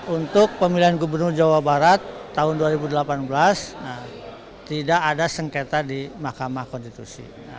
untuk pemilihan gubernur jawa barat tahun dua ribu delapan belas tidak ada sengketa di mahkamah konstitusi